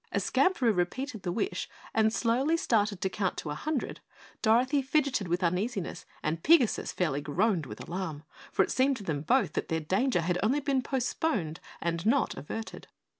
As Skamperoo repeated the wish and slowly started to count to a hundred, Dorothy fidgeted with uneasiness and Pigasus fairly groaned with alarm, for it seemed to them both that their danger had only been postponed and not averted.